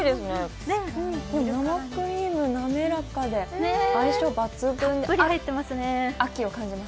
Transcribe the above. でも生クリーム滑らかで、相性抜群、秋を感じます。